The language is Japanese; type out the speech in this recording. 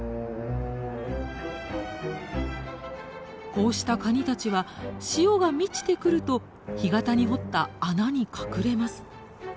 こうしたカニたちは潮が満ちてくると干潟に掘った穴に隠れます。